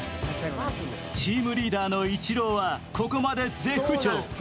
チームリーダーのイチローはここまで絶不調。